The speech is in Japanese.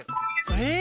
えっ！